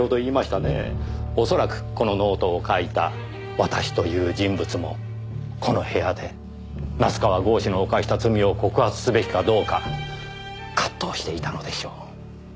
おそらくこのノートを書いた「私」という人物もこの部屋で夏河郷士の犯した罪を告発すべきかどうか葛藤していたのでしょう。